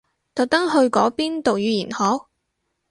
特登去嗰邊讀語言學？